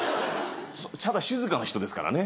ただ静かな人ですからね。